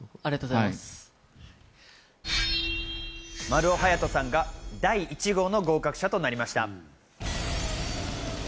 丸尾隼さんが第１号の合格者となりました。